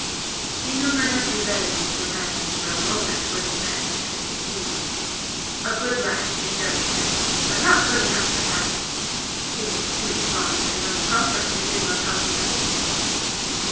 She knew her nephew better than to imagine for a moment, with the men, it could be he. A good enough lad she judged him, but not good enough for that. He was too fond of his own comfort to dream of helping other people!